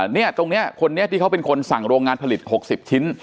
เนี่ยตรงนี้คนนี้ที่เขาเป็นคนสั่งโรงงานผลิต๖๐ชิ้น